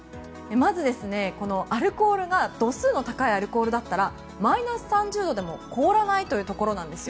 まず、このアルコールが度数の高いアルコールだったらマイナス３０度でも凍らないというところです。